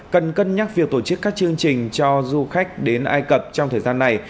cần cân nhắc việc tổ chức các chương trình cho du khách đến ai cập trong thời gian này